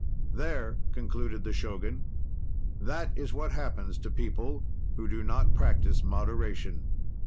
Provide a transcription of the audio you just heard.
There, concluded the Shogun, that is what happens to people who do not practise moderation.